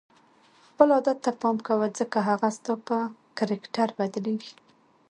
خپل عادت ته پام کوه ځکه هغه ستا په کرکټر بدلیږي.